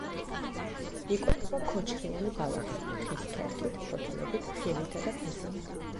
იკვებება ქოჩრიანი ბალახებით, ხის ქერქით, ფოთლებით, ხილითა და ფესვებით.